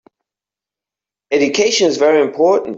Education is very important.